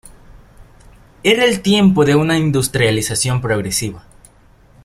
Era el tiempo de una industrialización progresiva.